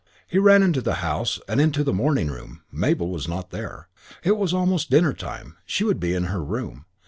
He ran into the house and into the morning room. Mabel was not there. It was almost dinner time. She would be in her room.